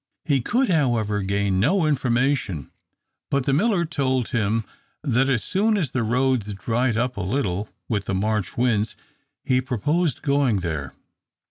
He could, however, gain no information; but the miller told him that as soon as the roads dried up a little with the March winds, he purposed going there.